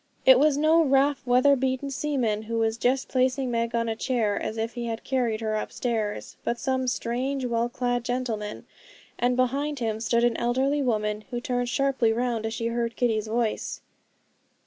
It was no rough, weather beaten seaman, who was just placing Meg on a chair, as if he had carried her upstairs; but some strange, well clad gentleman, and behind him stood an elderly woman, who turned sharply round as she heard Kitty's voice.